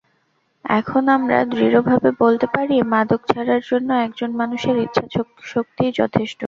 এখন আমরা দৃঢ়ভাবে বলতে পারি, মাদক ছাড়ার জন্য একজন মানুষের ইচ্ছাশক্তিই যথেষ্ট।